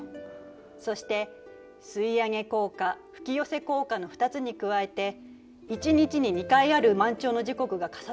そして吸い上げ効果吹き寄せ効果の２つに加えて１日に２回ある満潮の時刻が重なってしまうことがあるのよ。